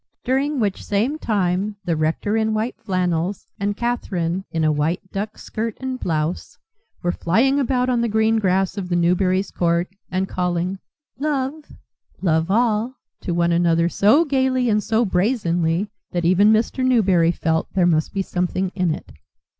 During which same time the rector in white flannels, and Catherine in a white duck skirt and blouse, were flying about on the green grass of the Newberrys' court, and calling, "love," "love all," to one another so gaily and so brazenly that even Mr. Newberry felt that there must be something in it.